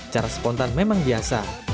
cara spontan memang biasa